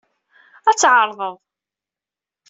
Ad t-ɛerḍeɣ.